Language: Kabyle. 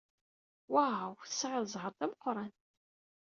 Waw! Tesɛid zzheṛ d ameqran.